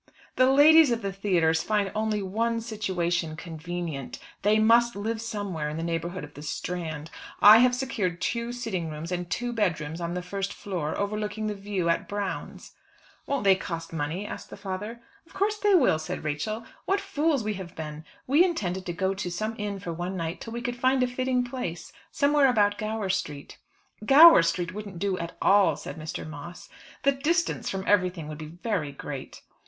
"The ladies of the theatres find only one situation convenient. They must live somewhere in the neighbourhood of the Strand. I have secured two sitting rooms and two bedrooms on the first floor, overlooking the views at Brown's." "Won't they cost money?" asked the father. "Of course they will," said Rachel. "What fools we have been! We intended to go to some inn for one night till we could find a fitting place, somewhere about Gower Street." "Gower Street wouldn't do at all," said Mr. Moss. "The distance from everything would be very great."